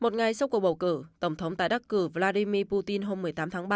một ngày sau cuộc bầu cử tổng thống tái đắc cử vladimir putin hôm một mươi tám tháng ba